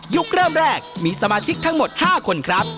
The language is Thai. เริ่มแรกมีสมาชิกทั้งหมด๕คนครับ